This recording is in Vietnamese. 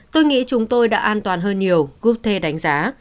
tôi nghĩ chúng tôi đã an toàn hơn nhiều gupte đánh giá